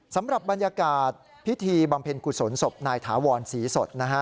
สำหรับบรรยากาศพิธีบำเพ็ญกุศลศพนายถาวรศรีสดนะฮะ